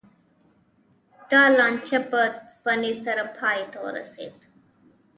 دا لانجه په ځپنې سره پای ته ورسېده